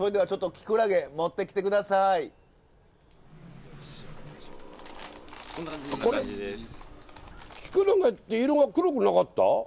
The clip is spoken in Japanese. キクラゲって色が黒くなかった？